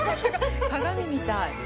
鏡みたい。